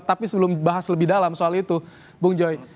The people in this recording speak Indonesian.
tapi sebelum bahas lebih dalam soal itu bung joy